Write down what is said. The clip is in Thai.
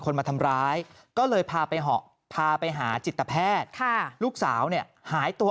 คนมาทำร้ายก็เลยพาไปเหาะพาไปหาจิตแพทย์ลูกสาวหายตัว